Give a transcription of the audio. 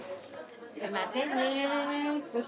すいませんね。